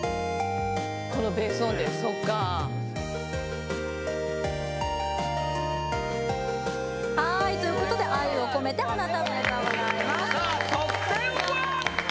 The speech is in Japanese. このベース音でそっかはいということで「愛をこめて花束を」おめでとうございますさあ得点は？